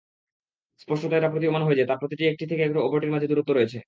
স্পষ্টত এটা প্রতীয়মান হয় যে, তার প্রতিটির একটি থেকে অপরটির মাঝে দূরত্ব রয়েছে।